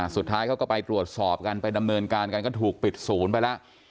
สุดท้ายเขาก็ไปตรวจสอบกันไปดำเนินการกันก็ถูกปิดศูนย์ไปแล้ว